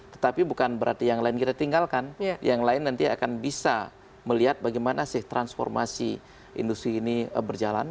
tetapi bukan berarti yang lain kita tinggalkan yang lain nanti akan bisa melihat bagaimana sih transformasi industri ini berjalan